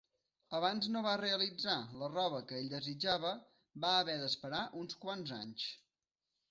Abans no va realitzar la roba que ell desitjava va haver d'esperar uns quants anys.